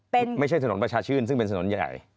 ไม่ใช่ถนนประชาชื่นซึ่งเป็นถนนใหญ่